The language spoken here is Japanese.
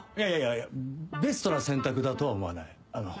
いやいやいやベストな選択だとは思わない。